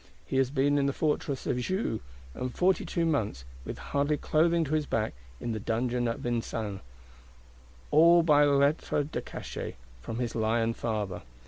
He has been in the Fortress of Joux; and forty two months, with hardly clothing to his back, in the Dungeon of Vincennes;—all by Lettre de Cachet, from his lion father.